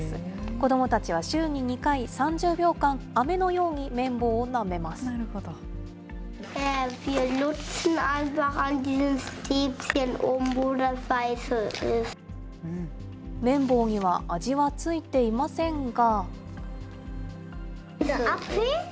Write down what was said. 子どもたちは週に２回、３０秒間、綿棒には味は付いていませんが。